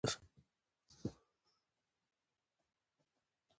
څنگه کولای شو چې خپل کارونه په ټاکلي وخت سرته ورسوو؟